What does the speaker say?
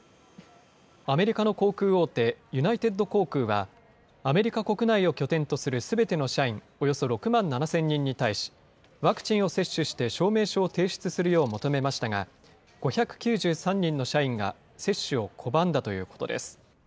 アメリカの航空大手、ユナイテッド航空は、アメリカ国内を拠点とするすべての社員およそ６万７０００人に対し、ワクチンを接種して証明書を提出するよう求めましたが、５９３人の社員が接種を拒んだということです。